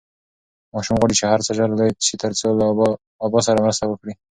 ماشوم غواړي چې هر څه ژر لوی شي ترڅو له ابا سره مرسته وکړي.